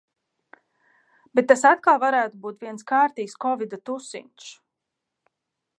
Bet tas atkal varētu būt viens kārtīgs kovida tusiņš.